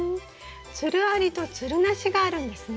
つるありとつるなしがあるんですね。